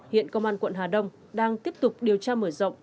hiện công an quận hà đông đang tiếp tục điều tra mở rộng